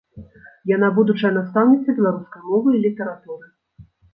Яна будучая настаўніца беларускай мовы і літаратуры.